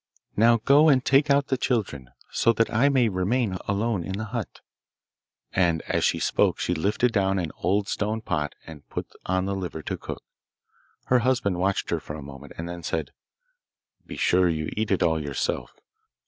Now go and take out the children, so that I may remain alone in the hut,' and as she spoke she lifted down an old stone pot and put on the liver to cook. Her husband watched her for a moment, and then said, 'Be sure you eat it all yourself.